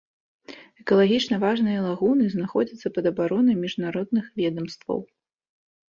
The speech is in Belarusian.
Экалагічна важныя лагуны знаходзяцца пад абаронай міжнародных ведамстваў.